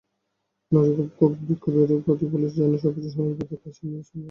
নারীর ক্ষোভ-বিক্ষোভের প্রতি পুলিশ যেন সর্বোচ্চ সহানুভূতি দেখায়, সেই নির্দেশনাও আছে।